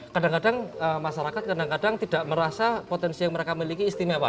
kadang kadang masyarakat kadang kadang tidak merasa potensi yang mereka miliki istimewa